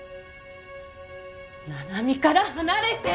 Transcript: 七海から離れて！